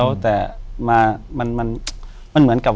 อยู่ที่แม่ศรีวิรัยิลครับ